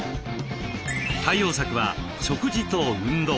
対応策は食事と運動。